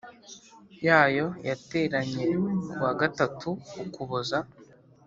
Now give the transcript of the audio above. yayo yateranye ku wa gatatu Ukuboza